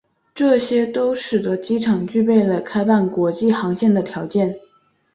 这些都使得机场具备了开办国际航线的条件。